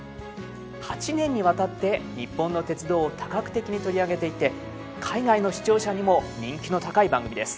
８年にわたって日本の鉄道を多角的に取り上げていて海外の視聴者にも人気の高い番組です。